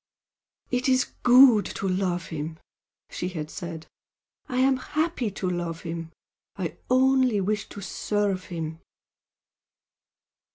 "It is good to love him!" she had said "I am happy to love him. I wish only to serve him!"